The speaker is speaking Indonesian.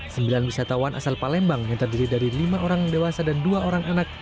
sembilan wisatawan asal palembang yang terdiri dari lima orang dewasa dan dua orang anak